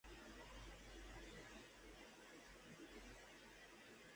Es un plato que puede servirse frío o caliente.